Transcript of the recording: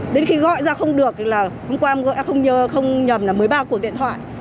đến khi gọi ra không được thì là hôm qua không nhầm là một mươi ba cuộc điện thoại